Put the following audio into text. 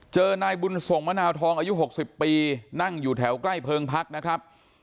เจอนายบุญส่งมะนาวทองอายุ๖๐ปีนั่งอยู่แถวใกล้เพิงพักนะครับ